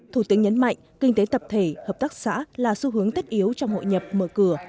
thủ tướng nhấn mạnh kinh tế tập thể hợp tác xã là xu hướng tất yếu trong hội nhập mở cửa